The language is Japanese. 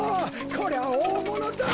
こりゃおおものだ。